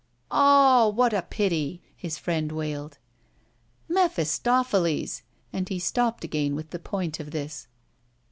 "Ah, what a pity!" his friend wailed. "Mephistopheles!" and he stopped again with the point of this.